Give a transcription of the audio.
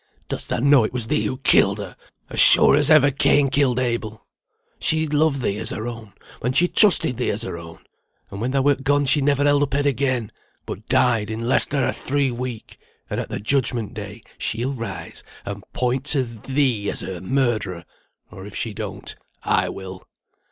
Dost thou know it was thee who killed her, as sure as ever Cain killed Abel. She'd loved thee as her own, and she trusted thee as her own, and when thou wert gone she never held up head again, but died in less than a three week; and at the judgment day she'll rise, and point to thee as her murderer; or if she don't, I will."